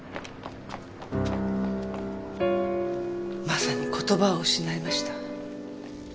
まさに言葉を失いました。